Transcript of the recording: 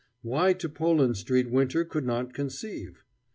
Why to Poland Street Winter could not conceive.